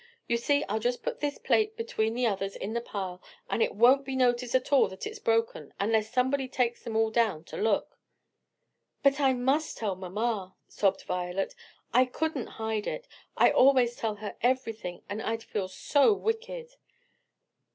You see I'll just put this plate between the others in the pile and it won't be noticed at all that it's broken; unless somebody takes them all down to look." "But I must tell mamma," sobbed Violet. "I couldn't hide it; I always tell her everything; and I'd feel so wicked."